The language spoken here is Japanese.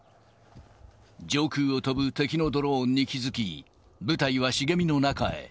上空を飛ぶ敵のドローンに気付き、部隊は茂みの中へ。